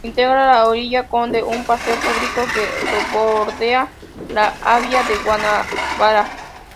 Integra la Orilla Conde, un paseo público que bordea la bahía de Guanabara.